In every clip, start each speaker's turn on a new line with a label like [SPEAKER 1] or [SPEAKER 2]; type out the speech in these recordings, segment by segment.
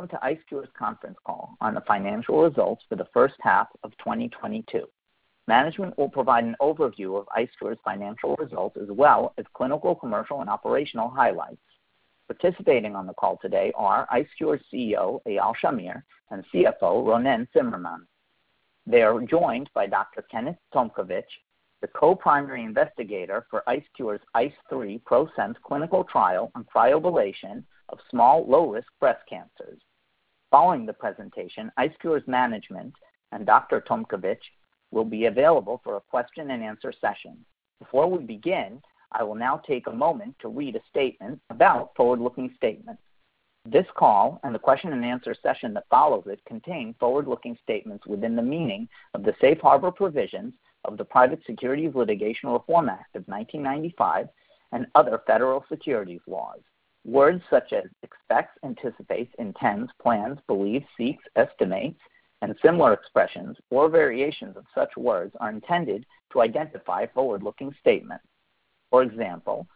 [SPEAKER 1] Welcome to IceCure's conference call on the financial results for the first half of 2022. Management will provide an overview of IceCure's financial results as well as clinical, commercial and operational highlights. Participating on the call today are IceCure's CEO, Eyal Shamir, and CFO, Ronen Tsimerman. They are joined by Dr. Kenneth Tomkovich, the co-primary investigator for IceCure's ICE3 ProSense clinical trial on cryoablation of small low-risk breast cancers. Following the presentation, IceCure's management and Dr. Tomkovich will be available for a question-and-answer session. Before we begin, I will now take a moment to read a statement about forward-looking statements. This call and the question-and-answer session that follows it contain forward-looking statements within the meaning of the Safe Harbor provisions of the Private Securities Litigation Reform Act of 1995 and other federal securities laws. Words such as expects, anticipates, intends, plans, believes, seeks, estimates, and similar expressions or variations of such words are intended to identify forward-looking statements. For example,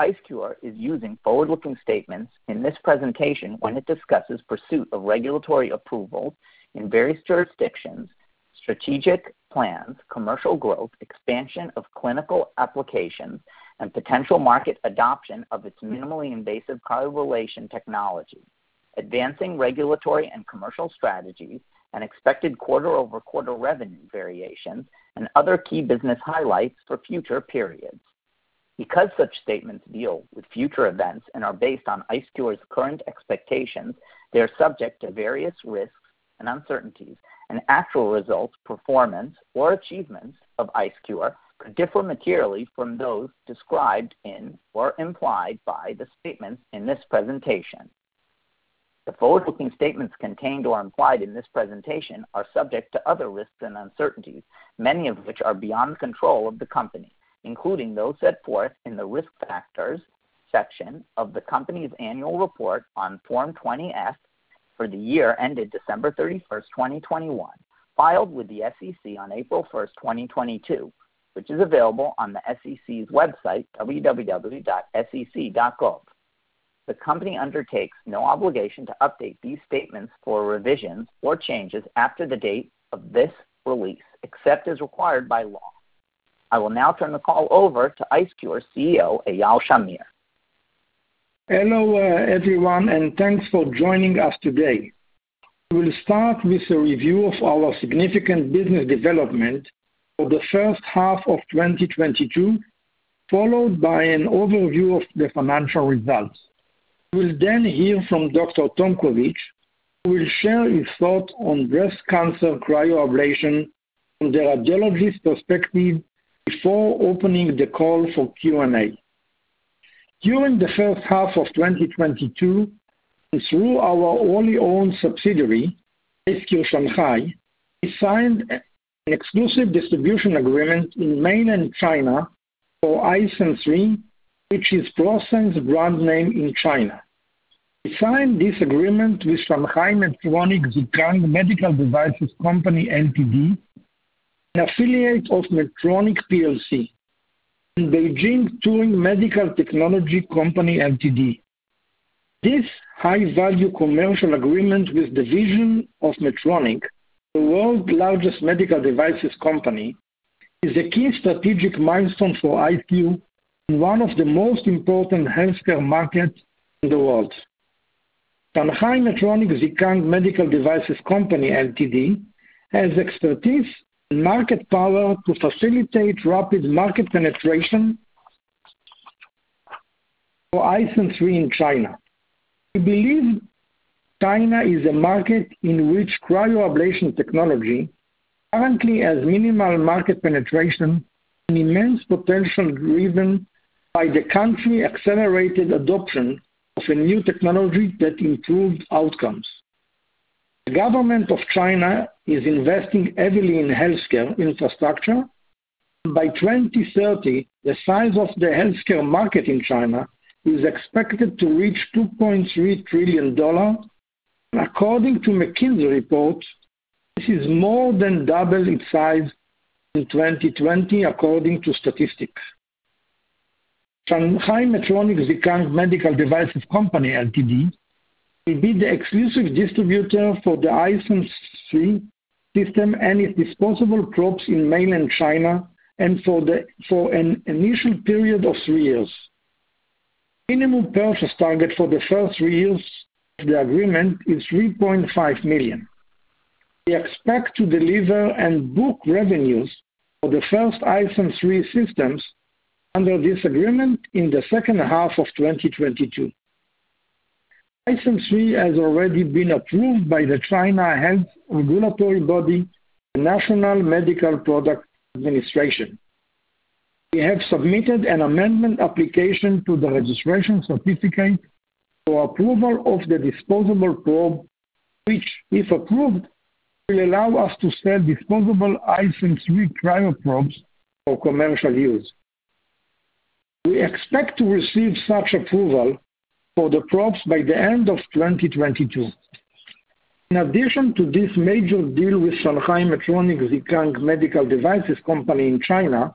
[SPEAKER 1] IceCure is using forward-looking statements in this presentation when it discusses pursuit of regulatory approval in various jurisdictions, strategic plans, commercial growth, expansion of clinical applications and potential market adoption of its minimally invasive cryoablation technology, advancing regulatory and commercial strategies, and expected quarter-over-quarter revenue variations and other key business highlights for future periods. Because such statements deal with future events and are based on IceCure's current expectations, they are subject to various risks and uncertainties, and actual results, performance or achievements of IceCure could differ materially from those described in or implied by the statements in this presentation. The forward-looking statements contained or implied in this presentation are subject to other risks and uncertainties, many of which are beyond the control of the company, including those set forth in the Risk Factors section of the company's annual report on Form 20-F for the year ended December 31st, 2021, filed with the SEC on April 1st, 2022, which is available on the SEC's website www.sec.gov. The company undertakes no obligation to update these statements for revisions or changes after the date of this release, except as required by law. I will now turn the call over to IceCure's CEO, Eyal Shamir.
[SPEAKER 2] Hello, everyone, and thanks for joining us today. We'll start with a review of our significant business development for the first half of 2022, followed by an overview of the financial results. We'll then hear from Dr. Tomkovich, who will share his thoughts on breast cancer cryoablation from the radiologist perspective before opening the call for Q&A. During the first half of 2022 and through our wholly owned subsidiary, IceCure Shanghai, we signed an exclusive distribution agreement in mainland China for IceSense3, which is ProSense brand name in China. We signed this agreement with Shanghai Medtronic Zhikang Medical Devices Co Ltd, an affiliate of Medtronic plc, and Beijing Turing Medical Technology Co Ltd. This high-value commercial agreement with a division of Medtronic, the world's largest medical devices company, is a key strategic milestone for IceCure in one of the most important healthcare markets in the world. Shanghai Medtronic Zhikang Medical Devices Co Ltd, has expertise and market power to facilitate rapid market penetration for IceSense3 in China. We believe China is a market in which cryoablation technology currently has minimal market penetration and immense potential driven by the country accelerated adoption of a new technology that improved outcomes. The government of China is investing heavily in healthcare infrastructure. By 2030, the size of the healthcare market in China is expected to reach $2.3 trillion. According to McKinsey report, this is more than double in size in 2020 according to statistics. Shanghai Medtronic Zhikang Medical Devices Co Ltd, will be the exclusive distributor for the IceSense3 system and its disposable probes in mainland China for an initial period of three years. Minimum purchase target for the first three years of the agreement is $3.5 million. We expect to deliver and book revenues for the first IceSense3 systems under this agreement in the second half of 2022. IceSense3 has already been approved by the China Health Regulatory Body, the National Medical Products Administration. We have submitted an amendment application to the registration certificate for approval of the disposable probe, which, if approved, will allow us to sell disposable IceSense3 cryo probes for commercial use. We expect to receive such approval for the probes by the end of 2022. In addition to this major deal with Shanghai Medtronic Zhikang Medical Devices Co Ltd in China.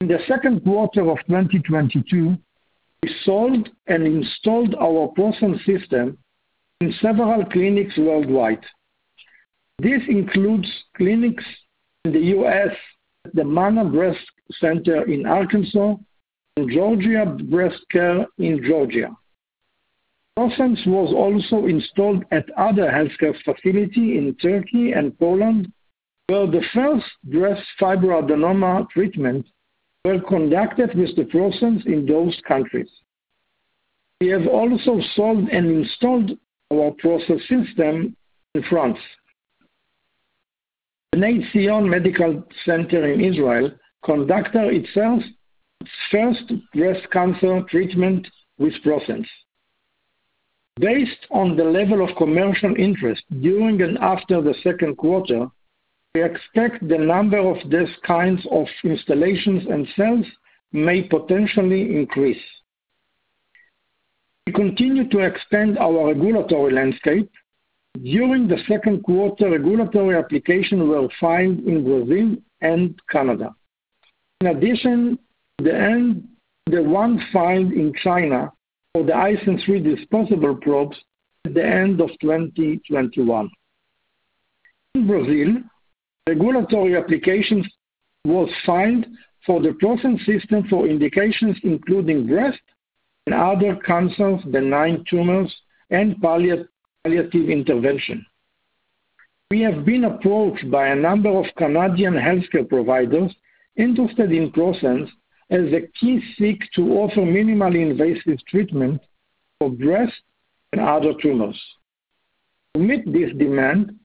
[SPEAKER 2] In the second quarter of 2022, we sold and installed our ProSense system in several clinics worldwide. This includes clinics in the U.S., the MANA Breast Center in Arkansas, and Georgia Breast Care in Georgia. ProSense was also installed at other healthcare facilities in Turkey and Poland, where the first breast fibroadenoma treatments were conducted with the ProSense in those countries. We have also sold and installed our ProSense system in France. The Assuta Medical Center in Israel conducted its first breast cancer treatment with ProSense. Based on the level of commercial interest during and after the second quarter, we expect the number of these kinds of installations and sales may potentially increase. We continue to expand our regulatory landscape. During the second quarter, regulatory applications were filed in Brazil and Canada. In addition, the one filed in China for the IceSense3 disposable probes at the end of 2021. In Brazil, regulatory application was filed for the ProSense system for indications including breast and other cancers, benign tumors, and palliative intervention. We have been approached by a number of Canadian healthcare providers interested in ProSense as a key to offer minimally invasive treatment for breast and other tumors. To meet this demand,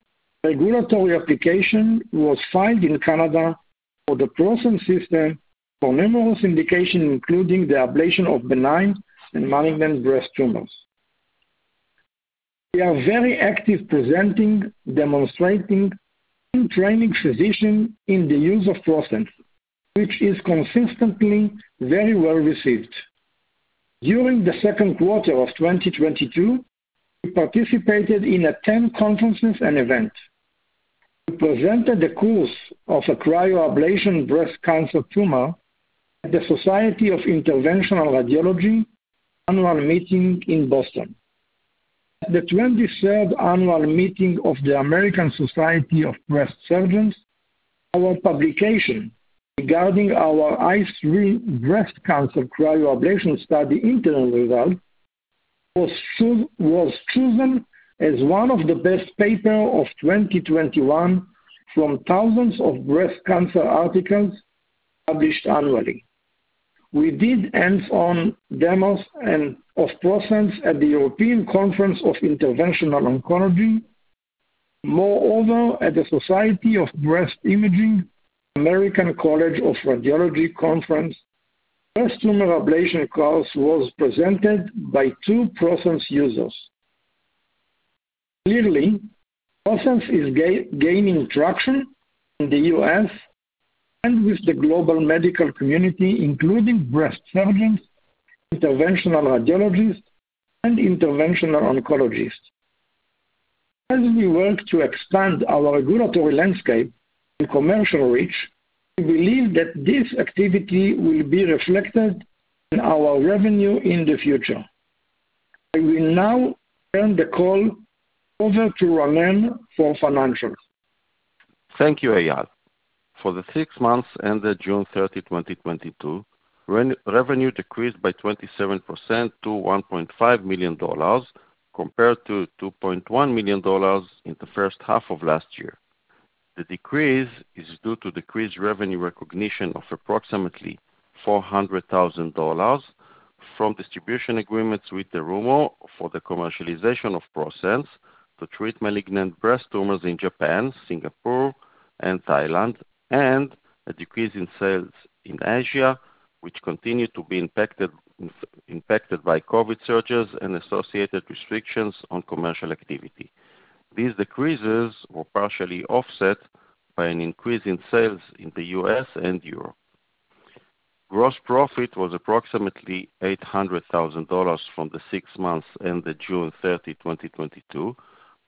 [SPEAKER 2] regulatory application was filed in Canada for the ProSense system for numerous indications, including the ablation of benign and malignant breast tumors. We are very active presenting, demonstrating, and training physicians in the use of ProSense, which is consistently very well-received. During the second quarter of 2022, we participated in 10 conferences and events. We presented a case of a cryoablation breast cancer tumor at the Society of Interventional Radiology Annual Meeting in Boston. At the 23rd annual meeting of the American Society of Breast Surgeons, our publication regarding our ICE3 breast cancer cryoablation study interim results was chosen as one of the best papers of 2021 from thousands of breast cancer articles published annually. We did hands-on demos and of ProSense at the European Conference on Interventional Oncology. Moreover, at the Society of Breast Imaging, American College of Radiology Conference, first tumor ablation course was presented by two ProSense users. Clearly, ProSense is gaining traction in the U.S., and with the global medical community, including breast surgeons, interventional radiologists, and interventional oncologists. As we work to expand our regulatory landscape and commercial reach, we believe that this activity will be reflected in our revenue in the future. I will now turn the call over to Ronen for financials.
[SPEAKER 3] Thank you, Eyal. For the six months ended June 30, 2022, revenue decreased by 27% to $1.5 million compared to $2.1 million in the first half of last year. The decrease is due to decreased revenue recognition of approximately $400,000 from distribution agreements with Terumo for the commercialization of ProSense to treat malignant breast tumors in Japan, Singapore, and Thailand, and a decrease in sales in Asia, which continued to be impacted by COVID surges and associated restrictions on commercial activity. These decreases were partially offset by an increase in sales in the U.S. and Europe. Gross profit was approximately $800,000 for the six months ended June 30, 2022,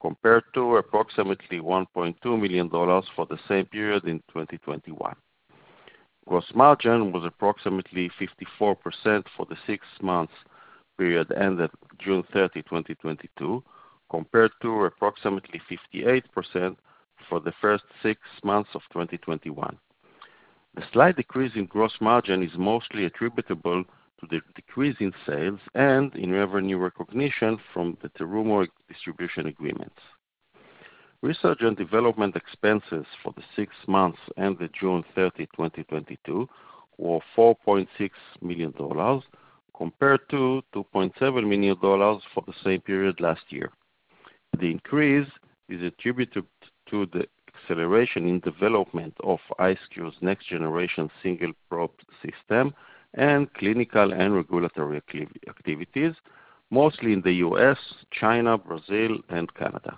[SPEAKER 3] compared to approximately $1.2 million for the same period in 2021. Gross margin was approximately 54% for the six months period ended June 30, 2022, compared to approximately 58% for the first six months of 2021. The slight decrease in gross margin is mostly attributable to the decrease in sales and in revenue recognition from the Terumo distribution agreements. Research and development expenses for the six months ended June 30, 2022, were $4.6 million compared to $2.7 million for the same period last year. The increase is attributed to the acceleration in development of IceCure's next generation single probe system and clinical and regulatory activities, mostly in the U.S., China, Brazil, and Canada.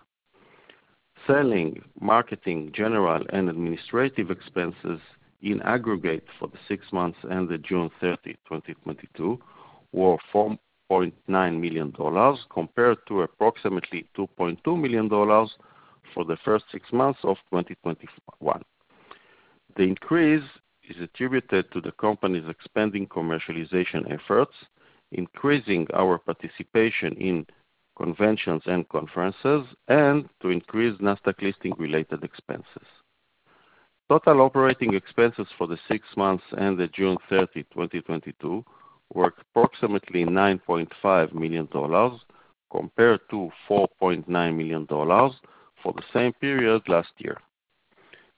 [SPEAKER 3] Selling, marketing, general, and administrative expenses in aggregate for the six months ended June 30, 2022, were $4.9 million compared to approximately $2.2 million for the first six months of 2021. The increase is attributed to the company's expanding commercialization efforts, increasing our participation in conventions and conferences, and to increase Nasdaq listing related expenses. Total operating expenses for the six months ended June 30, 2022 were approximately $9.5 million compared to $4.9 million for the same period last year.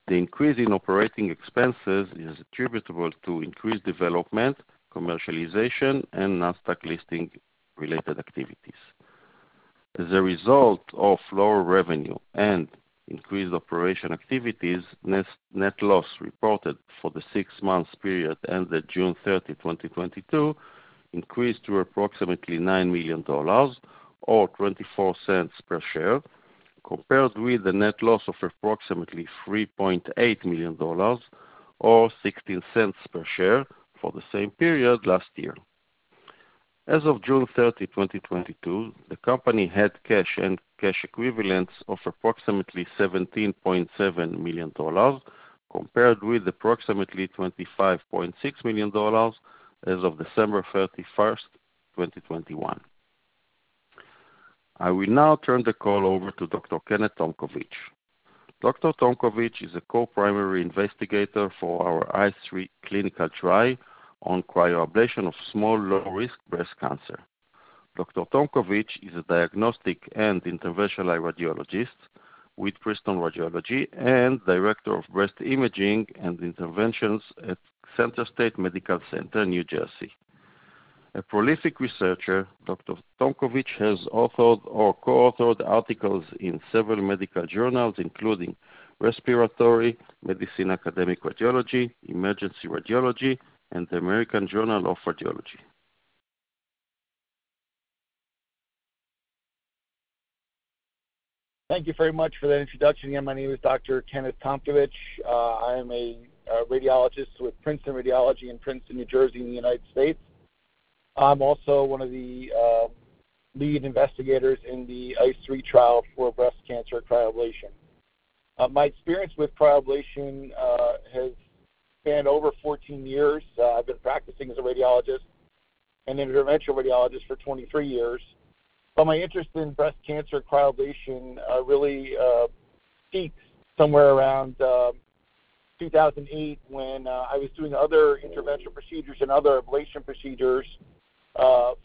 [SPEAKER 3] The increase in operating expenses is attributable to increased development, commercialization, and Nasdaq listing related activities. As a result of lower revenue and increased operating activities, the net loss reported for the six-month period ended June 30, 2022 increased to approximately $9 million or $0.24 per share, compared with a net loss of approximately $3.8 million or $0.16 per share for the same period last year. As of June 30, 2022, the company had cash and cash equivalents of approximately $17.7 million, compared with approximately $25.6 million as of December 31, 2021. I will now turn the call over to Dr. Kenneth Tomkovich. Dr. Tomkovich is a co-primary investigator for our ICE3 clinical trial on cryoablation of small low-risk breast cancer. Dr. Tomkovich is a diagnostic and interventional radiologist with Princeton Radiology and Director of Breast Imaging and Interventions at CentraState Medical Center, New Jersey. A prolific researcher, Dr. Tomkovich has authored or co-authored articles in several medical journals, including Respiratory Medicine, Academic Radiology, Emergency Radiology, and the American Journal of Roentgenology.
[SPEAKER 4] Thank you very much for that introduction. Again, my name is Dr. Kenneth Tomkovich. I am a radiologist with Princeton Radiology in Princeton, New Jersey in the United States. I'm also one of the lead investigators in the ICE3 trial for breast cancer cryoablation. My experience with cryoablation has spanned over 14 years. I've been practicing as a radiologist and interventional radiologist for 23 years. My interest in breast cancer cryoablation really peaks somewhere around 2008 when I was doing other interventional procedures and other ablation procedures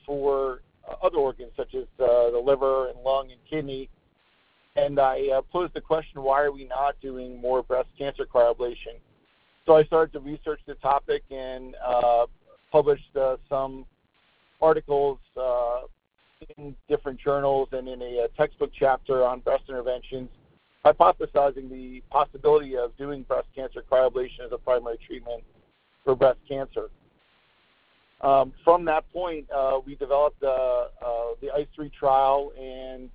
[SPEAKER 4] for other organs such as the liver and lung and kidney. I posed the question, "Why are we not doing more breast cancer cryoablation?" I started to research the topic and published some articles in different journals and in a textbook chapter on breast interventions, hypothesizing the possibility of doing breast cancer cryoablation as a primary treatment for breast cancer. From that point, we developed the ICE3 trial and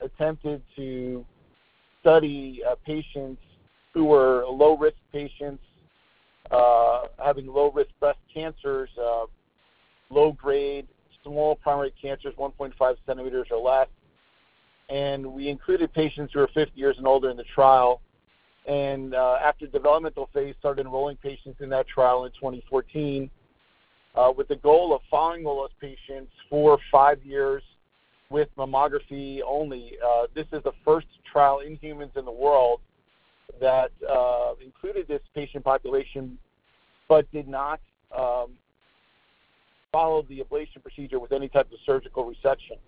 [SPEAKER 4] attempted to study patients who were low-risk patients having low-risk breast cancers, low grade, small primary cancers, 1.5 cm or less. We included patients who were 50 years and older in the trial, and after the developmental phase, started enrolling patients in that trial in 2014, with the goal of following those patients for five years with mammography only. This is the first trial in humans in the world that included this patient population but did not follow the ablation procedure with any type of surgical resection.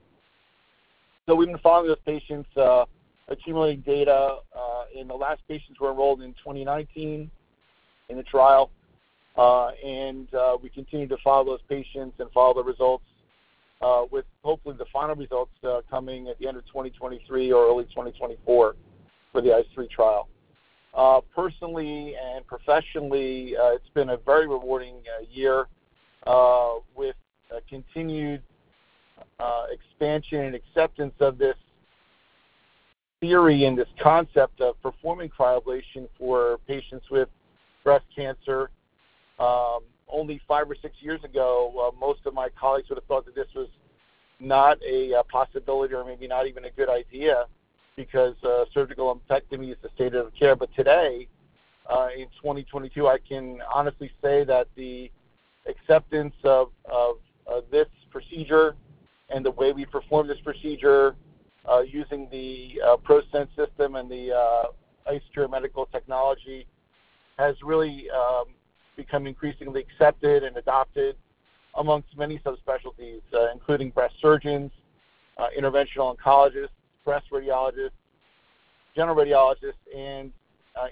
[SPEAKER 4] We've been following those patients, accumulating data, and the last patients were enrolled in 2019 in the trial. We continue to follow those patients and follow the results, with hopefully the final results coming at the end of 2023 or early 2024 for the ICE3 trial. Personally and professionally, it's been a very rewarding year, with a continued expansion and acceptance of this theory and this concept of performing cryoablation for patients with breast cancer. Only five or six years ago, most of my colleagues would have thought that this was not a possibility or maybe not even a good idea because surgical mastectomy is the standard of care. Today, in 2022, I can honestly say that the acceptance of this procedure and the way we perform this procedure using the ProSense system and the IceCure medical technology has really become increasingly accepted and adopted amongst many subspecialties, including breast surgeons, interventional oncologists, breast radiologists, general radiologists, and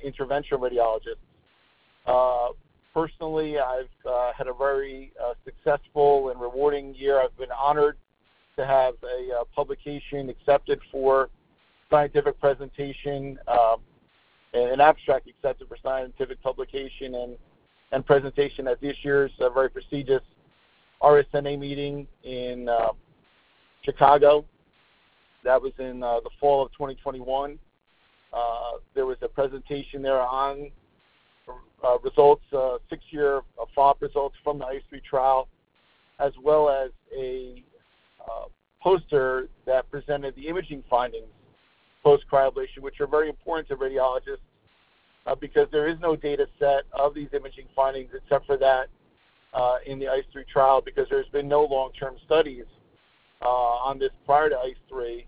[SPEAKER 4] interventional radiologists. Personally, I've had a very successful and rewarding year. I've been honored to have a publication accepted for scientific presentation, an abstract accepted for scientific publication and presentation at this year's very prestigious RSNA meeting in Chicago. That was in the fall of 2021. There was a presentation there on the six-year follow-up results from the ICE3 trial, as well as a poster that presented the imaging findings post cryoablation, which are very important to radiologists because there is no data set of these imaging findings except for that in the ICE3 trial because there's been no long-term studies on this prior to ICE3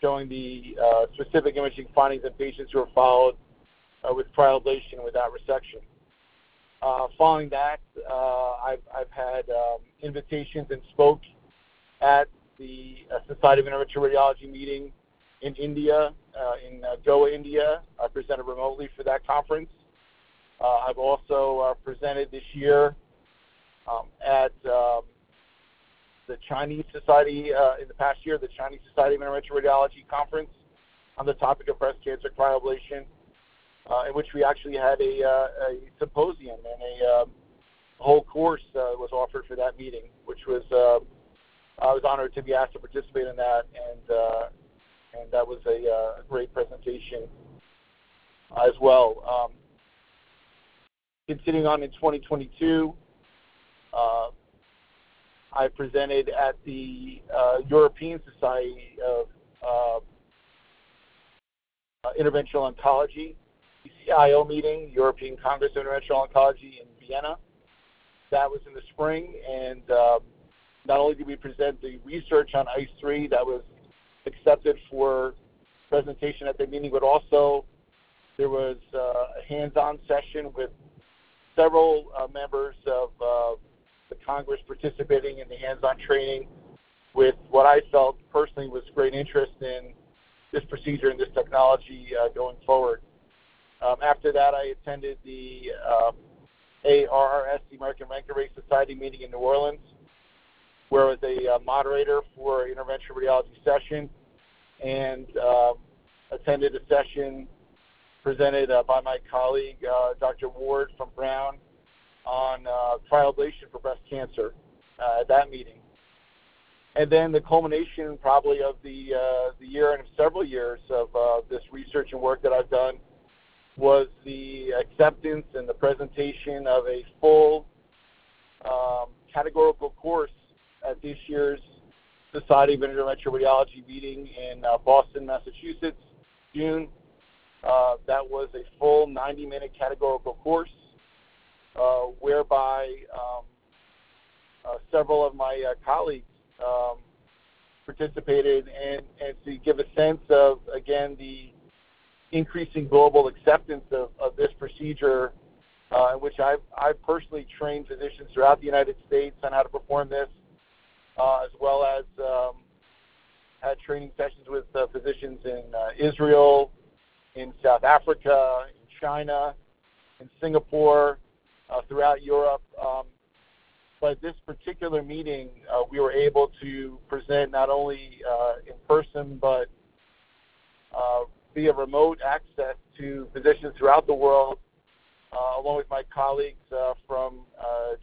[SPEAKER 4] showing the specific imaging findings in patients who are followed with cryoablation without resection. Following that, I've had invitations and spoke at the Society of Interventional Radiology meeting in India in Goa, India. I presented remotely for that conference. I've also presented this year at the Chinese Society of Interventional Radiology conference on the topic of breast cancer cryoablation, in which we actually had a symposium and a whole course was offered for that meeting, I was honored to be asked to participate in that, and that was a great presentation as well. Continuing on in 2022, I presented at the European Conference on Interventional Oncology ECIO meeting, European Congress of Interventional Oncology in Vienna. That was in the spring, and not only did we present the research on ICE3 that was accepted for presentation at the meeting, but also there was a hands-on session with several members of the Congress participating in the hands-on training with what I felt personally was great interest in this procedure and this technology going forward. After that, I attended the ARRS, the American Roentgen Ray Society meeting in New Orleans, where I was a moderator for a interventional radiology session and attended a session presented by my colleague Dr. Ward from Brown on cryoablation for breast cancer at that meeting. Then the culmination probably of the year and several years of this research and work that I've done was the acceptance and the presentation of a full categorical course at this year's Society of Interventional Radiology meeting in Boston, Massachusetts, June. That was a full 90-minute categorical course whereby several of my colleagues participated. To give a sense of again the increasing global acceptance of this procedure which I've personally trained physicians throughout the United States on how to perform this as well as had training sessions with physicians in Israel in South Africa in China in Singapore throughout Europe. This particular meeting, we were able to present not only in person but via remote access to physicians throughout the world, along with my colleagues from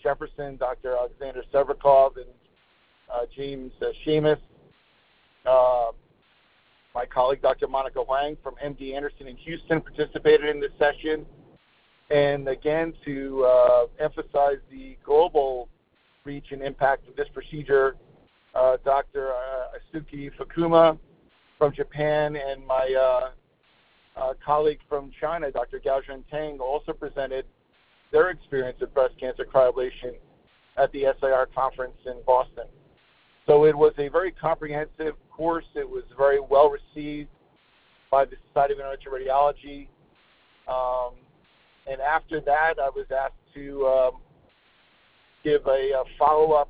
[SPEAKER 4] Jefferson, Dr. Alexander Sevrukov and James Shamus. My colleague, Dr. Monica Wang from MD Anderson in Houston, participated in this session. Again, to emphasize the global reach and impact of this procedure, Dr. Eisuke Fukuma from Japan and my colleague from China, Dr. Guozhen Tang, also presented their experience with breast cancer cryoablation at the SIR conference in Boston. It was a very comprehensive course. It was very well-received by the Society of Interventional Radiology. After that, I was asked to give a follow-up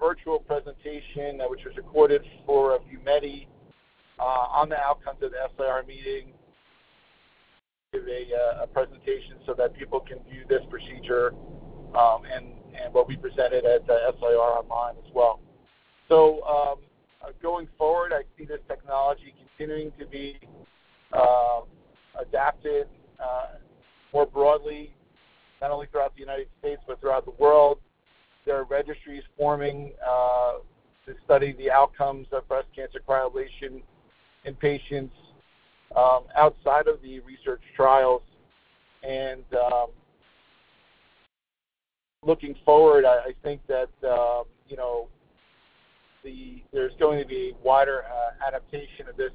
[SPEAKER 4] virtual presentation which was recorded for many on the outcomes of the SIR meeting, give a presentation so that people can view this procedure, and what we presented at SIR online as well. Going forward, I see this technology continuing to be adapted more broadly, not only throughout the United States but throughout the world. There are registries forming to study the outcomes of breast cancer cryoablation in patients outside of the research trials. Looking forward, I think that you know there's going to be wider adaptation of this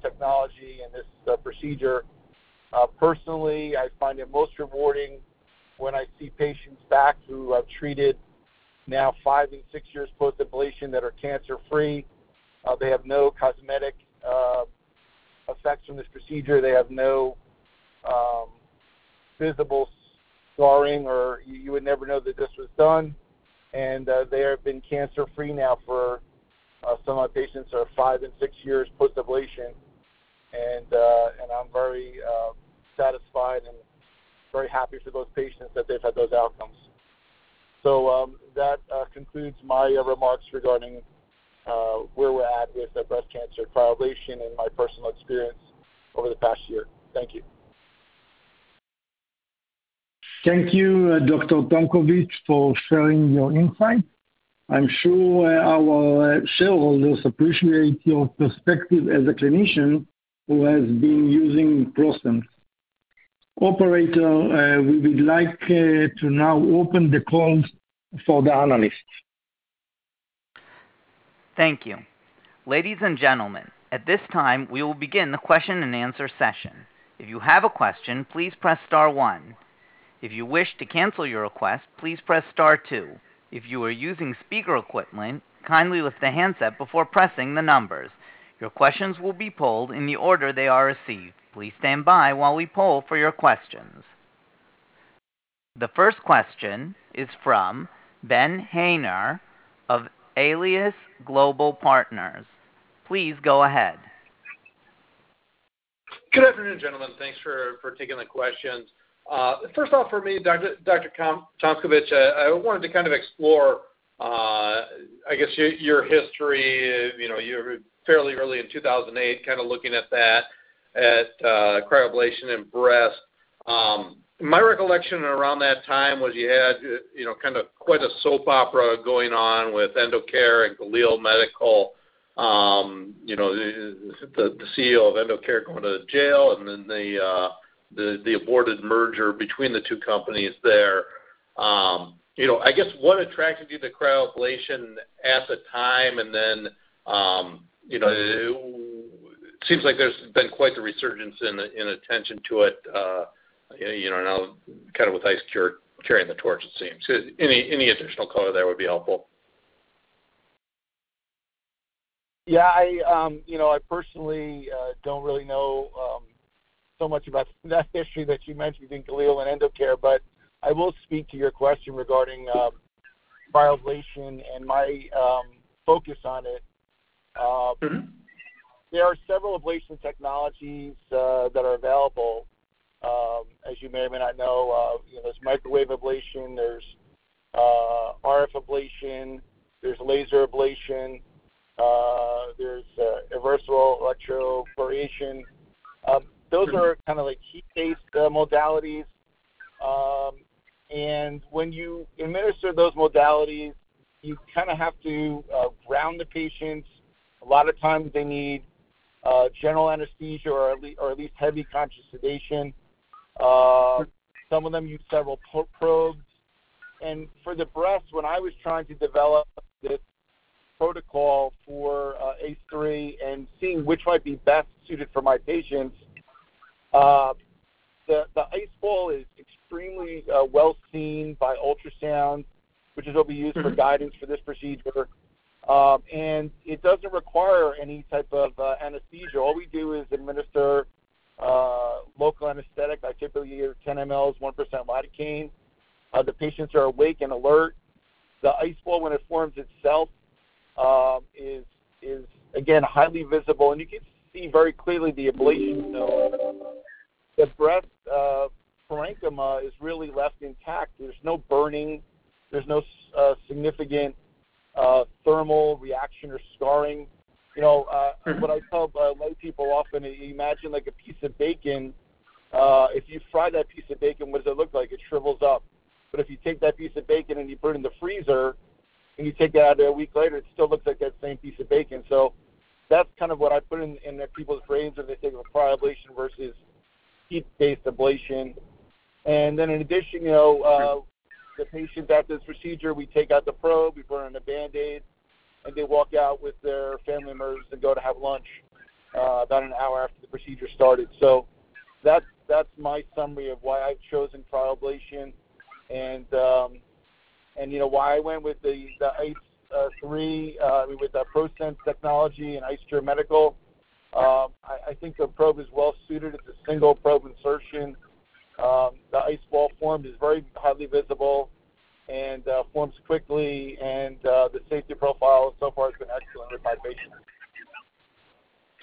[SPEAKER 4] technology and this procedure. Personally, I find it most rewarding when I see patients back who I've treated now five and six years post-ablation that are cancer-free. They have no cosmetic effects from this procedure. They have no visible scarring, or you would never know that this was done. They have been cancer-free now for some of my patients are five and six years post-ablation. I'm very satisfied and very happy for those patients that they've had those outcomes. That concludes my remarks regarding where we're at with breast cancer cryoablation and my personal experience over the past year. Thank you.
[SPEAKER 2] Thank you, Dr. Tomkovich, for sharing your insight. I'm sure our shareholders appreciate your perspective as a clinician who has been using ProSense. Operator, we would like to now open the call for the analysts.
[SPEAKER 1] Thank you. Ladies and gentlemen, at this time, we will begin the question and answer session. If you have a question, please press star one. If you wish to cancel your request, please press star two. If you are using speaker equipment, kindly lift the handset before pressing the numbers. Your questions will be polled in the order they are received. Please stand by while we poll for your questions. The first question is from Ben Haynor of Alliance Global Partners. Please go ahead.
[SPEAKER 5] Good afternoon, gentlemen. Thanks for taking the questions. First off for me, Dr. Tomkovich, I wanted to kind of explore, I guess your history. You know, you're fairly early in 2008, kind of looking at that, cryoablation in breast. My recollection around that time was you had, you know, kind of quite a soap opera going on with Endocare and Galil Medical. You know, the CEO of Endocare going to jail and then the aborted merger between the two companies there. You know, I guess what attracted you to cryoablation at the time? Then, you know, it seems like there's been quite the resurgence in attention to it, you know, now kind of with IceCure carrying the torch, it seems. Any additional color there would be helpful.
[SPEAKER 4] Yeah, I, you know, I personally don't really know so much about that history that you mentioned in Galil Medical and Endocare, but I will speak to your question regarding cryoablation and my focus on it. There are several ablation technologies that are available. As you may or may not know, you know, there's microwave ablation, there's RF ablation, there's laser ablation, there's irreversible electroporation. Those are kind of like heat-based modalities. When you administer those modalities, you kind of have to ground the patients. A lot of times they need general anesthesia or at least heavy conscious sedation. Some of them use several probes. For the breast, when I was trying to develop this protocol for ICE3 and seeing which might be best suited for my patients, the ice ball is extremely well seen by ultrasound, which is what we use for guidance for this procedure. It doesn't require any type of anesthesia. All we do is administer local anesthetic. I typically use 10 mL 1% lidocaine. The patients are awake and alert. The ice ball, when it forms itself, is again highly visible, and you can see very clearly the ablation zone. The breast parenchyma is really left intact. There's no burning, there's no significant thermal reaction or scarring. You know what I tell my people often, imagine like a piece of bacon. If you fry that piece of bacon, what does it look like? It shrivels up. If you take that piece of bacon and you put it in the freezer and you take it out a week later, it still looks like that same piece of bacon. That's kind of what I put in people's brains when they think of cryoablation versus heat-based ablation. In addition, you know, the patients after this procedure, we take out the probe, we put on a Band-Aid, and they walk out with their family members and go to have lunch about an hour after the procedure started. That's my summary of why I've chosen cryoablation. You know, why I went with the IceSense3 with the ProSense technology and IceCure Medical. I think the probe is well suited. It's a single probe insertion. The ice ball formed is very highly visible and forms quickly. The safety profile so far has been excellent with my patients.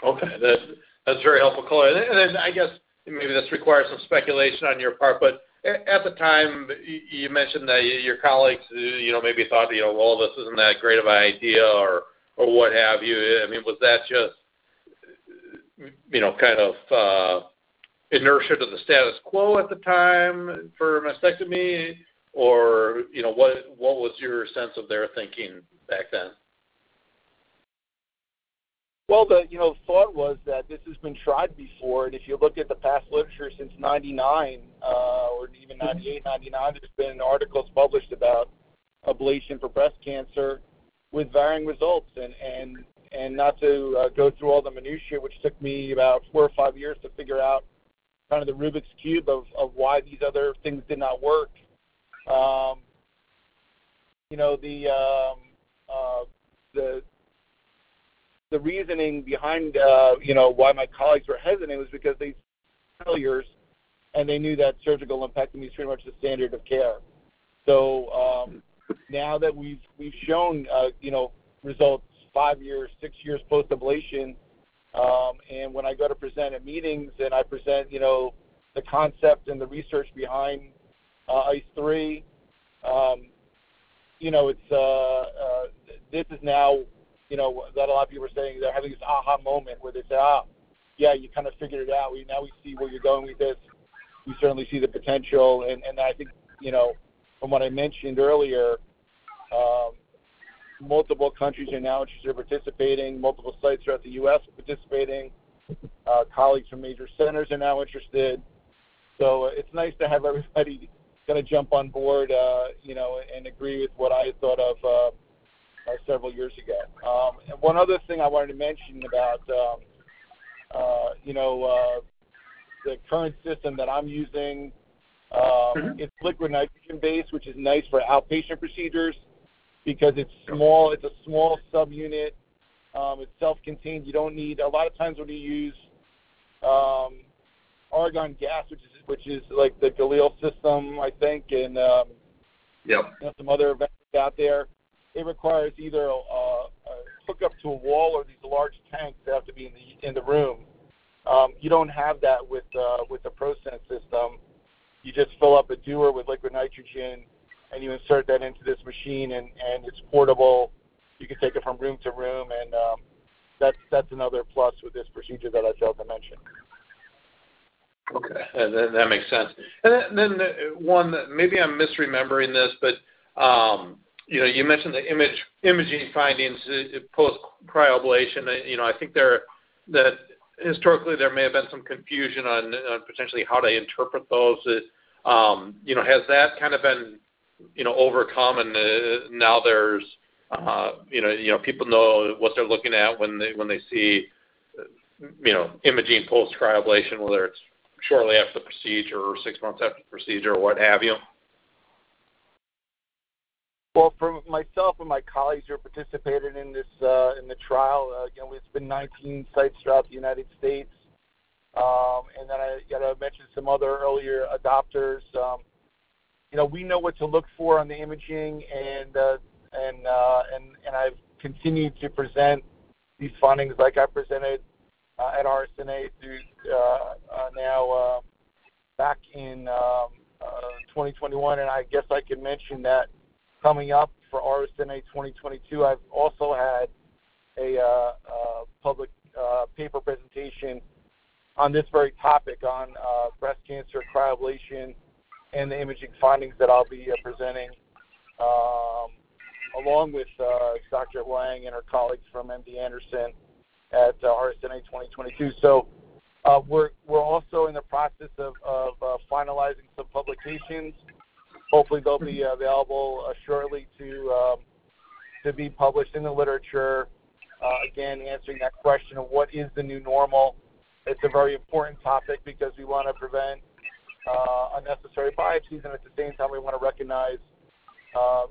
[SPEAKER 5] Okay. That's very helpful color. Then I guess maybe this requires some speculation on your part, but at the time you mentioned that your colleagues, you know, maybe thought, you know, well, this isn't that great of an idea or what have you. I mean, was that just, you know, kind of, inertia to the status quo at the time for mastectomy? You know, what was your sense of their thinking back then?
[SPEAKER 4] Well, you know, the thought was that this has been tried before. If you look at the past literature since 1999, or even 1998, 1999, there's been articles published about ablation for breast cancer with varying results. Not to go through all the minutiae, which took me about four or five years to figure out kind of the Rubik's Cube of why these other things did not work. You know, the reasoning behind why my colleagues were hesitant was because these failures, and they knew that surgical impact gonna be pretty much the standard of care. Now that we've shown, you know, results five years, six years post-ablation, and when I go to present at meetings and I present, you know, the concept and the research behind ICE3, you know, it's now, you know, that a lot of people are saying they're having this aha moment where they say, "Ah, yeah, you kind of figured it out. We now see where you're going with this. We certainly see the potential." I think, you know, from what I mentioned earlier, multiple countries are now interested, participating, multiple sites throughout the U.S. are participating, colleagues from major centers are now interested. It's nice to have everybody kinda jump on board, you know, and agree with what I had thought of several years ago. One other thing I wanted to mention about, you know, the current system that I'm using.
[SPEAKER 5] Mm-hmm
[SPEAKER 4] It's liquid nitrogen based, which is nice for outpatient procedures because it's small. It's a small subunit. It's self-contained. A lot of times when you use argon gas, which is like the Galil system, I think-
[SPEAKER 5] Yep...
[SPEAKER 4] some other vendors out there, it requires either a hookup to a wall or these large tanks that have to be in the room. You don't have that with the ProSense system. You just fill up a Dewar with liquid nitrogen, and you insert that into this machine, and it's portable. You can take it from room to room, and that's another plus with this procedure that I failed to mention.
[SPEAKER 5] That makes sense. Maybe I'm misremembering this, but you know, you mentioned the imaging findings post cryoablation. You know, I think that historically there may have been some confusion on potentially how to interpret those. You know, has that kind of been overcome and now there's you know, people know what they're looking at when they see you know, imaging post cryoablation, whether it's shortly after the procedure or six months after the procedure or what have you?
[SPEAKER 4] Well, from myself and my colleagues who have participated in this, in the trial, again, it's been 19 sites throughout the United States. And then I, yeah, I mentioned some other earlier adopters. You know, we know what to look for on the imaging, and I've continued to present these findings like I presented at RSNA back in 2021. I guess I can mention that coming up for RSNA 2022, I've also had a public paper presentation on this very topic, on breast cancer cryoablation and the imaging findings that I'll be presenting along with Dr. Liang and her colleagues from MD Anderson at RSNA 2022. We're also in the process of finalizing some publications. Hopefully, they'll be available shortly to be published in the literature. Again, answering that question of what is the new normal, it's a very important topic because we wanna prevent unnecessary biopsies, and at the same time we wanna recognize,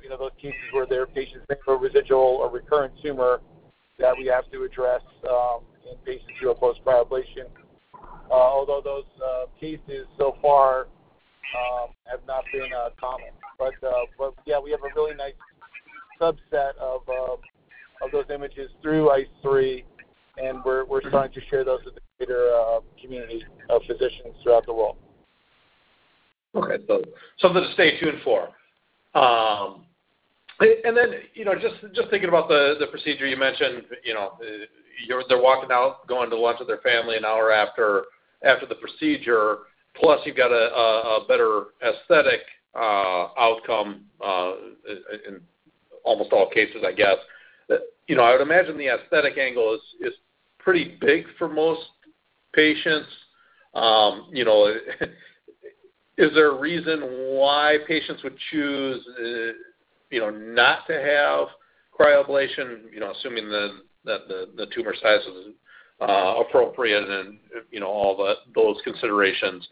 [SPEAKER 4] you know, those cases where there are patients with residual or recurrent tumor that we have to address in patients who have post cryoablation, although those cases so far have not been common. Yeah, we have a really nice subset of those images through ICE3, and we're starting to share those with the greater community of physicians throughout the world.
[SPEAKER 5] Okay. Something to stay tuned for. You know, just thinking about the procedure you mentioned, you know, they're walking out, going to lunch with their family an hour after the procedure, plus you've got a better aesthetic outcome in almost all cases, I guess. You know, I would imagine the aesthetic angle is pretty big for most patients. You know, is there a reason why patients would choose you know, not to have cryoablation, you know, assuming that the tumor size is appropriate and, you know, all those considerations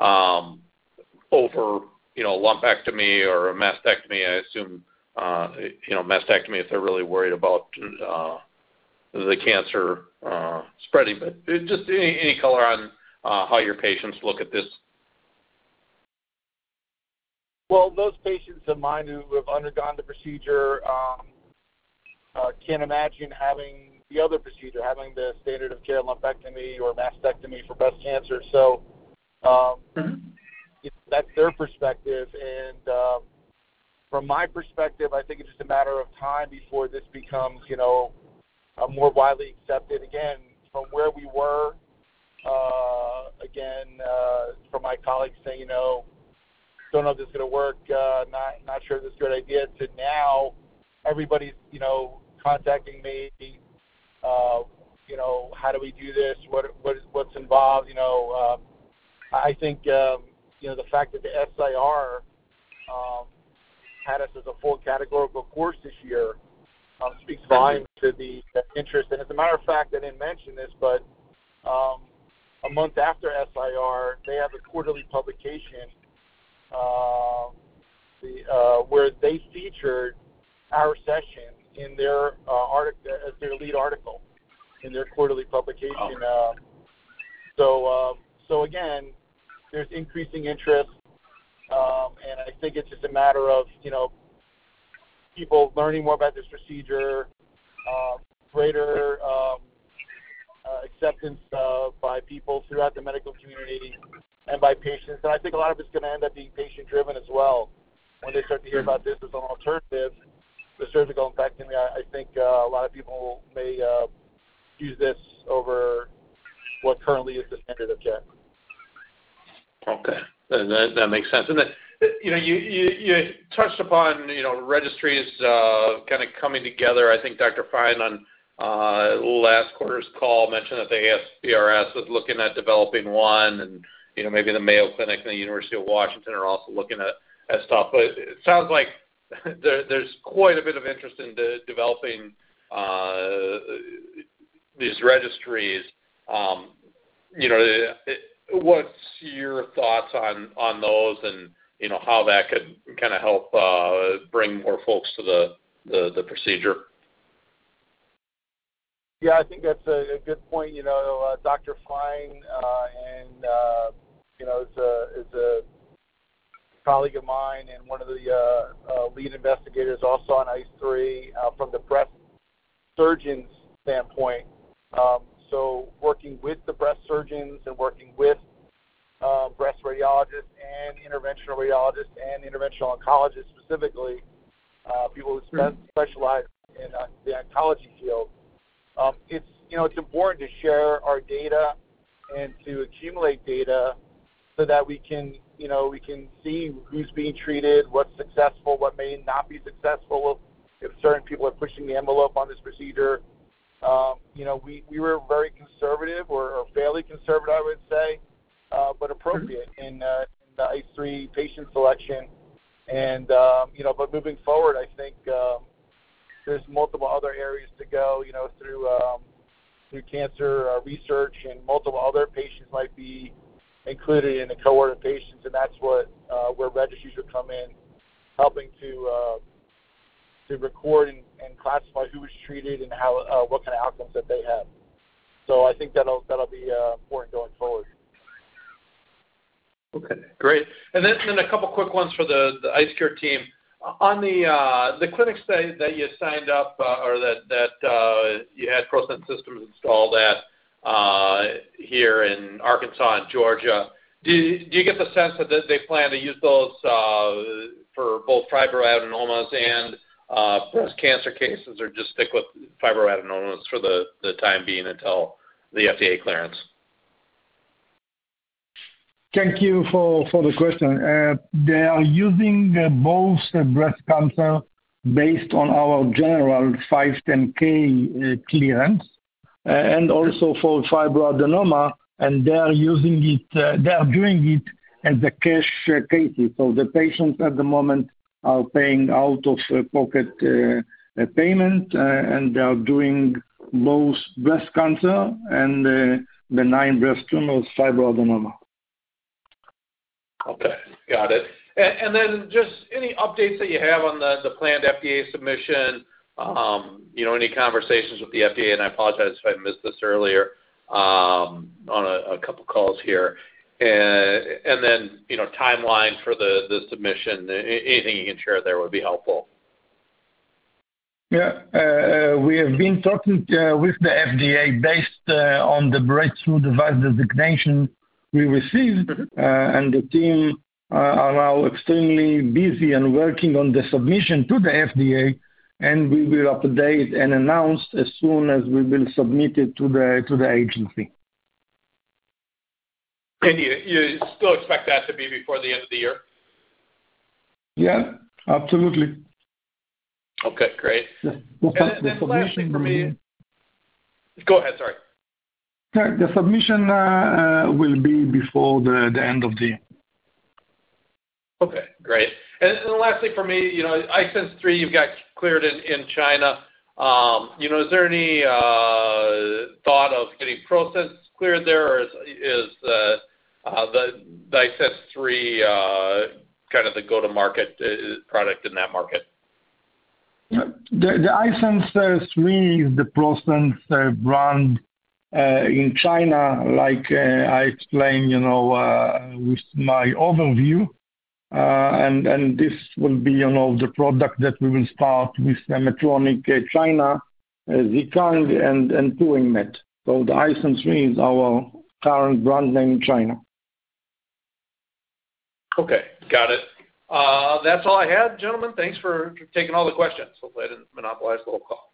[SPEAKER 5] over, you know, a lumpectomy or a mastectomy I assume, you know, mastectomy if they're really worried about the cancer spreading. Just any color on how your patients look at this?
[SPEAKER 4] Well, those patients of mine who have undergone the procedure can't imagine having the other procedure, having the standard of care lumpectomy or a mastectomy for breast cancer.
[SPEAKER 5] Mm-hmm
[SPEAKER 4] That's their perspective. From my perspective, I think it's just a matter of time before this becomes, you know, more widely accepted. Again, from where we were, from my colleagues saying, "You know, don't know if this is gonna work, not sure this is a good idea," to now everybody's, you know, contacting me, you know, "How do we do this? What is, what's involved?" You know, I think, you know, the fact that the SIR had us as a full categorical course this year speaks volumes to the interest. As a matter of fact, I didn't mention this, but, a month after SIR, they have a quarterly publication, the, where they featured our session in their, article as their lead article in their quarterly publication.
[SPEAKER 5] Oh.
[SPEAKER 4] There's increasing interest, and I think it's just a matter of, you know, people learning more about this procedure, greater acceptance by people throughout the medical community and by patients. I think a lot of it's gonna end up being patient-driven as well when they start to hear about this as an alternative to surgical. In fact, you know, I think a lot of people may use this over what currently is the standard of care.
[SPEAKER 5] Okay. That makes sense. You know, you touched upon, you know, registries, kinda coming together. I think Dr. Fine on last quarter's call mentioned that the ASBrS was looking at developing one and, you know, maybe the Mayo Clinic and the University of Washington are also looking at stuff. It sounds like there's quite a bit of interest in developing these registries. You know, what's your thoughts on those and, you know, how that could kinda help bring more folks to the procedure?
[SPEAKER 4] Yeah, I think that's a good point. You know, Dr. Fine is a colleague of mine and one of the lead investigators also on ICE3 from the breast surgeons standpoint. Working with the breast surgeons and working with breast radiologists and interventional radiologists and interventional oncologists, specifically people who specialize in the oncology field, you know, it's important to share our data and to accumulate data so that we can, you know, see who's being treated, what's successful, what may not be successful, if certain people are pushing the envelope on this procedure. You know, we were very conservative or fairly conservative, I would say, but appropriate in the ICE3 patient selection. You know, but moving forward, I think there's multiple other areas to go, you know, through cancer research and multiple other patients might be included in the cohort of patients, and where registries would come in, helping to record and classify who was treated and how, what kind of outcomes that they had. I think that'll be important going forward.
[SPEAKER 5] Okay, great. A couple quick ones for the IceCure team. On the clinics that you signed up or that you had ProSense systems installed at here in Arkansas and Georgia, do you get the sense that they plan to use those for both fibroadenomas and breast cancer cases, or just stick with fibroadenomas for the time being until the FDA clearance?
[SPEAKER 2] Thank you for the question. They are using both breast cancer based on our general 510(k) clearance, and also for fibroadenoma, and they are using it. They are doing it as a cash-pay case. The patients at the moment are paying out-of-pocket payment, and they are doing both breast cancer and the benign breast tumors fibroadenoma.
[SPEAKER 5] Okay. Got it. Just any updates that you have on the planned FDA submission. You know, any conversations with the FDA, and I apologize if I missed this earlier, on a couple calls here. You know, timeline for the submission. Anything you can share there would be helpful.
[SPEAKER 2] Yeah. We have been talking with the FDA based on the Breakthrough Device Designation we received.
[SPEAKER 5] Mm-hmm.
[SPEAKER 2] The team are extremely busy and working on the submission to the FDA, and we will update and announce as soon as we will submit it to the agency.
[SPEAKER 5] You still expect that to be before the end of the year?
[SPEAKER 2] Yeah, absolutely.
[SPEAKER 5] Okay, great.
[SPEAKER 2] Yeah. Well, the submission will be.
[SPEAKER 5] Lastly for me. Go ahead, sorry.
[SPEAKER 2] No, the submission will be before the end of the year.
[SPEAKER 5] Okay, great. Lastly for me, you know, IceSense3, you've got cleared in China. You know, is there any thought of getting ProSense cleared there, or is the IceSense3 kind of the go-to-market product in that market?
[SPEAKER 2] The IceSense3 is the ProSense brand in China, like I explained, you know, with my overview. This will be another product that we will start with Medtronic China, the current and doing that. The IceSense3 is our current brand name in China.
[SPEAKER 5] Okay, got it. That's all I had, gentlemen. Thanks for taking all the questions. Hopefully, I didn't monopolize the whole call.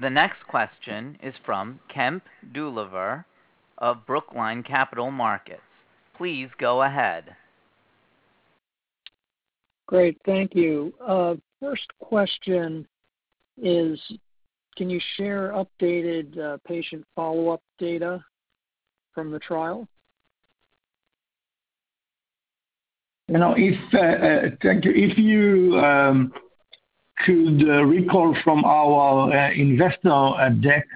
[SPEAKER 1] The next question is from Kemp Dolliver of Brookline Capital Markets. Please go ahead.
[SPEAKER 6] Great. Thank you. First question is, can you share updated, patient follow-up data from the trial?
[SPEAKER 2] You know, thank you. If you could recall from our investor deck,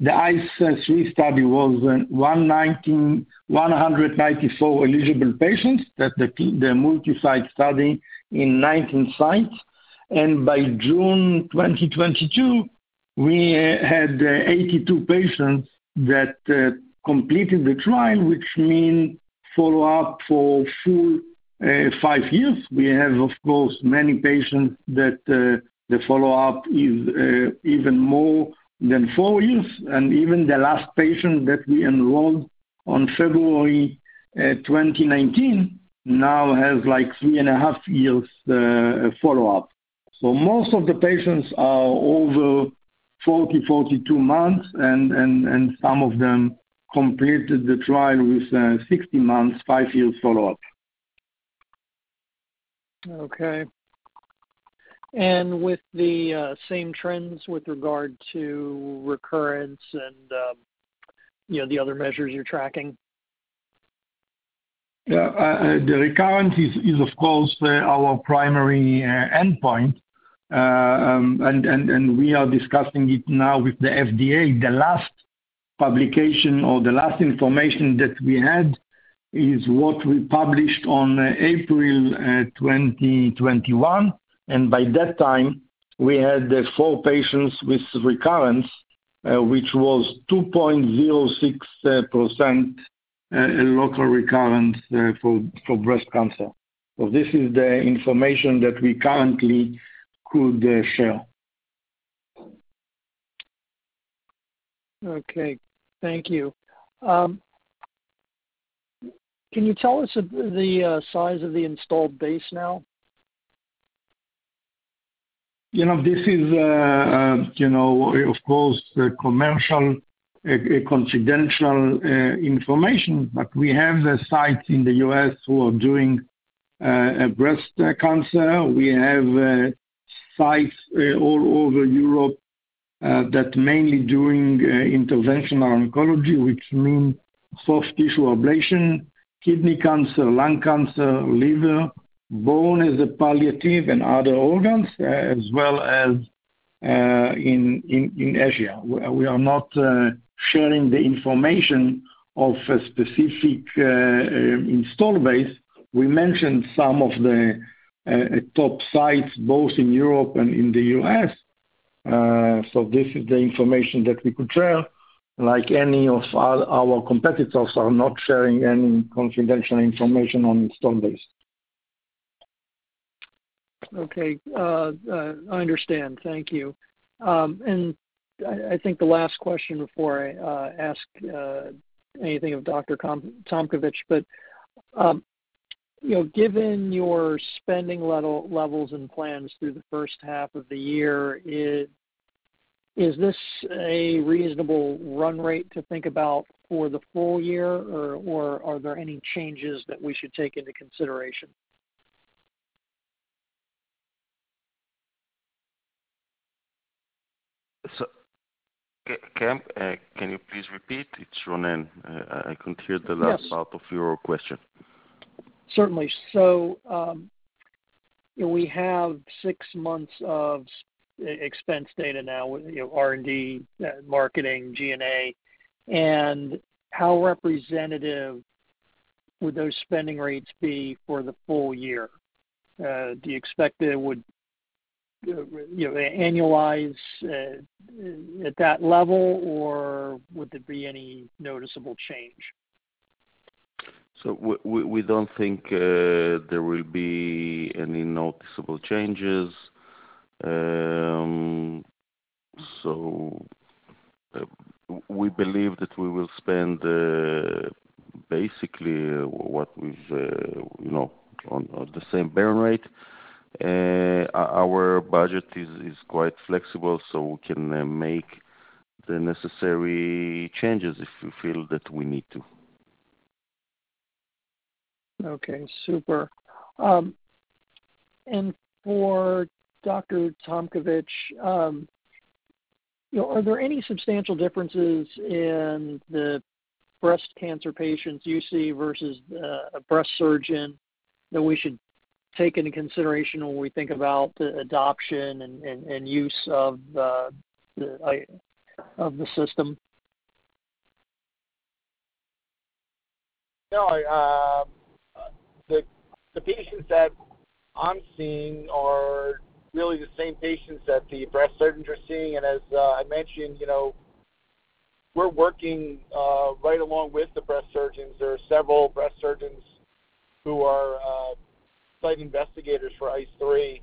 [SPEAKER 2] the IceSense3 study was 119, 194 eligible patients. That's the multi-site study in 19 sites. By June 2022 we had 82 patients that completed the trial, which mean follow-up for full five years. We have, of course, many patients that the follow-up is even more than four years. Even the last patient that we enrolled on February 2019 now has, like, three and a half years follow-up. Most of the patients are over 42 months and some of them completed the trial with 60 months, five years follow-up.
[SPEAKER 6] Okay. With the same trends with regard to recurrence and, you know, the other measures you're tracking?
[SPEAKER 2] Yeah, the recurrence is, of course, our primary endpoint. We are discussing it now with the FDA. The last publication or the last information that we had is what we published on April 2021. By that time, we had four patients with recurrence, which was 2.06% local recurrence for breast cancer. This is the information that we currently could share.
[SPEAKER 6] Okay. Thank you. Can you tell us the size of the installed base now?
[SPEAKER 2] You know, this is, you know, of course, commercial, confidential, information, but we have the sites in the U.S. who are doing breast cancer. We have sites all over Europe that mainly doing interventional oncology, which mean soft tissue ablation, kidney cancer, lung cancer, liver, bone as a palliative and other organs, as well as in Asia. We are not sharing the information of a specific installed base. We mentioned some of the top sites both in Europe and in the U.S. This is the information that we could share. Like any of our competitors are not sharing any confidential information on installed base.
[SPEAKER 6] Okay. I understand. Thank you. I think the last question before I ask anything of Dr. Tomkovich. You know, given your spending level and plans through the first half of the year, is this a reasonable run rate to think about for the full year or are there any changes that we should take into consideration?
[SPEAKER 3] Kemp, can you please repeat? It's Ronen. I couldn't hear the last.
[SPEAKER 6] Yes.
[SPEAKER 3] Part of your question.
[SPEAKER 6] Certainly. We have six months of expense data now, you know, R&D, marketing, G&A. How representative would those spending rates be for the full year? Do you expect it would, you know, annualize at that level, or would there be any noticeable change?
[SPEAKER 3] We don't think there will be any noticeable changes. We believe that we will spend basically what we've you know on the same burn rate. Our budget is quite flexible, so we can make the necessary changes if we feel that we need to.
[SPEAKER 6] Okay, super. For Dr. Tomkovich, you know, are there any substantial differences in the breast cancer patients you see versus a breast surgeon that we should take into consideration when we think about the adoption and use of the system?
[SPEAKER 4] No. The patients that I'm seeing are really the same patients that the breast surgeons are seeing. As I mentioned, you know, we're working right along with the breast surgeons. There are several breast surgeons who are site investigators for ICE3,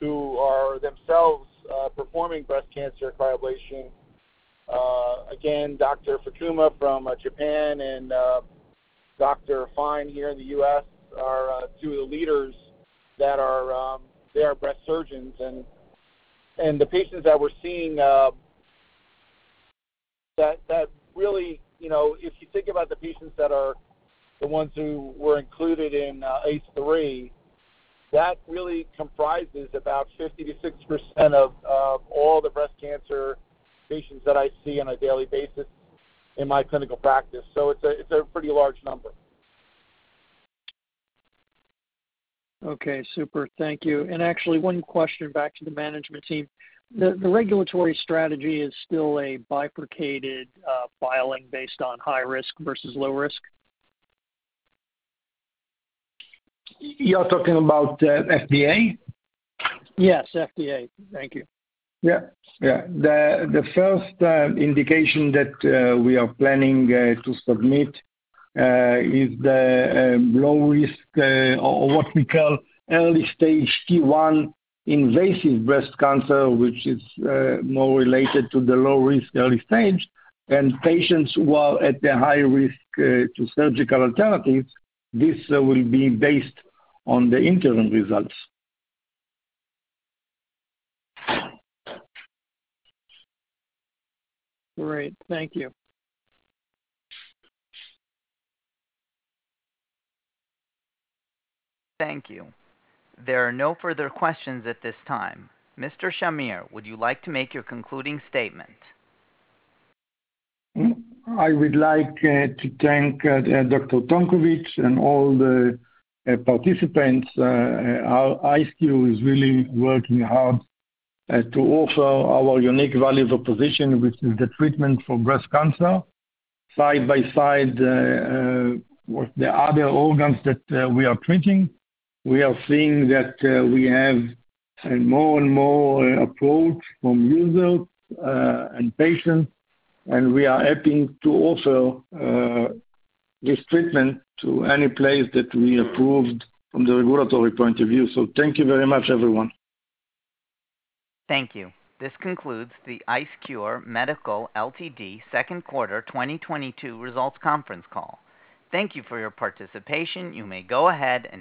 [SPEAKER 4] who are themselves performing breast cancer cryoablation. Again, Dr. Fukuma from Japan and Dr. Fine here in the U.S. are two of the leaders that are. They are breast surgeons. The patients that we're seeing, that really, you know, if you think about the patients that are the ones who were included in ICE3, that really comprises about 50%-60% of all the breast cancer patients that I see on a daily basis in my clinical practice. It's a pretty large number.
[SPEAKER 6] Okay, super. Thank you. Actually, one question back to the management team. The regulatory strategy is still a bifurcated filing based on high risk versus low risk?
[SPEAKER 2] You're talking about, FDA?
[SPEAKER 6] Yes, FDA. Thank you.
[SPEAKER 2] Yeah. The first indication that we are planning to submit is the low risk, or what we call early stage T1 invasive breast cancer, which is more related to the low-risk early stage. Patients who are at the high risk to surgical alternatives, this will be based on the interim results.
[SPEAKER 6] Great. Thank you.
[SPEAKER 1] Thank you. There are no further questions at this time. Mr. Shamir, would you like to make your concluding statement?
[SPEAKER 2] I would like to thank Dr. Tomkovich and all the participants. IceCure is really working hard to offer our unique value proposition, which is the treatment for breast cancer side by side with the other organs that we are treating. We are seeing that we have more and more approaches from users and patients, and we are happy to offer this treatment to any place that we're approved from the regulatory point of view. Thank you very much, everyone.
[SPEAKER 1] Thank you. This concludes the IceCure Medical Ltd second quarter 2022 results conference call. Thank you for your participation. You may go ahead and